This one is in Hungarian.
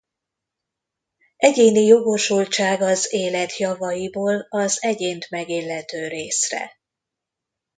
Egyéni jogosultság az élet javaiból az egyént megillető részre.